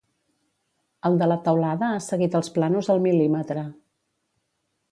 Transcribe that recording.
El de la teulada ha seguit els plànols al mil·límetre.